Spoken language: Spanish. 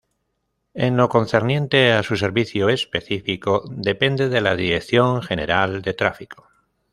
En lo concerniente a su servicio específico, depende de la Dirección General de Tráfico.